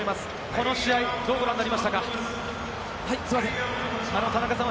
この試合、どうご覧になりましたか？